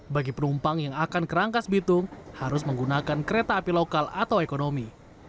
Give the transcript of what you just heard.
bagi penumpang yang akan ke rangkas bitung harus menggunakan kereta api lokal atau ekonomi